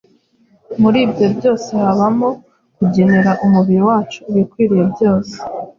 Muri ibyo byose habamo kugenera umubiri wacu ibikwiye byose,